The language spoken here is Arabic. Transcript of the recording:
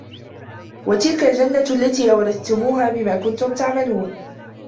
وَتِلْكَ الْجَنَّةُ الَّتِي أُورِثْتُمُوهَا بِمَا كُنْتُمْ تَعْمَلُونَ